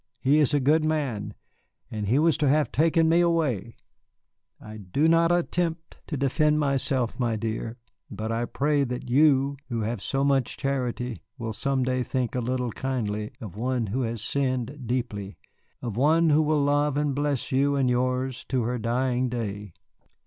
He is a good man, and he was to have taken me away I do not attempt to defend myself, my dear, but I pray that you, who have so much charity, will some day think a little kindly of one who has sinned deeply, of one who will love and bless you and yours to her dying day."